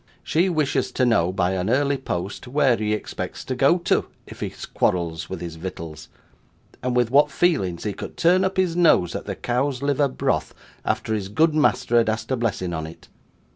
She wishes to know, by an early post, where he expects to go to, if he quarrels with his vittles; and with what feelings he could turn up his nose at the cow's liver broth, after his good master had asked a blessing on it.